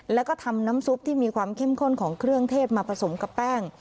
แล้วก็ทำน้ำซุปที่มีความเข้มข้นของเครื่องเทศมาผสมกับแป้ง